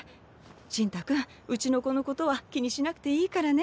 信太君うちの子のことは気にしなくていいからね。